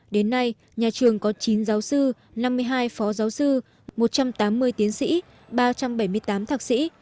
đến nay nhà trường có chín giáo sư năm mươi hai phó giáo sư một trăm tám mươi tiến sĩ ba trăm bảy mươi tám thạc sĩ